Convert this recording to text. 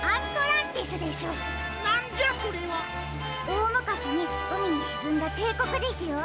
おおむかしにうみにしずんだていこくですよ。